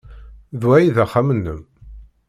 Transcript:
D wa ay d axxam-nnem?